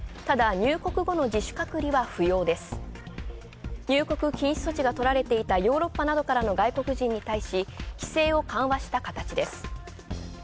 自主隔離は不要、入国禁止措置がとられていたヨーロッパなどからの外国人に対し規制を緩和した形です。